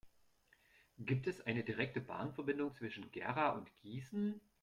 Gibt es eine direkte Bahnverbindung zwischen Gera und Gießen?